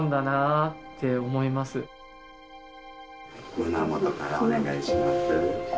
胸元からお願いします。